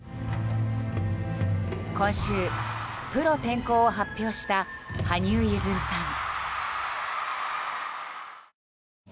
今週、プロ転向を発表した羽生結弦さん。